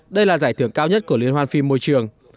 đây là giải thưởng cao nhất của liên hoan phim môi trường